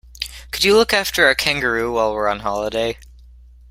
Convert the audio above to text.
Could you look after our kangaroo while we're on holiday?